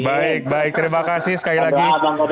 baik baik terima kasih sekali lagi